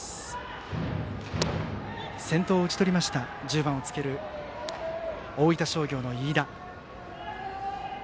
先頭を打ち取りました１０番をつける大分商業の飯田。